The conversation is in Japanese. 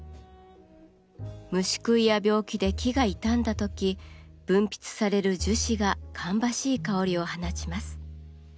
虫食いや病気で木が傷んだ時分泌される樹脂が芳しい香りを放ちます。